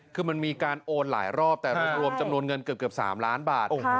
คือมันมีการโอนหลายรอบแต่รวมจำนวนเงินเกือบ๓ล้านบาท